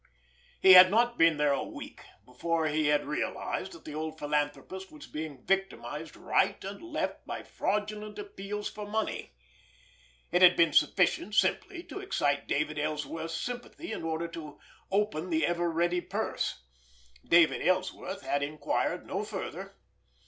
He had not been there a week before he had realized that the old philanthropist was being victimized right and left by fraudulent appeals for money. It had been sufficient simply to excite David Ellsworth's sympathy in order to open the ever ready purse. David Ellsworth had inquired no further.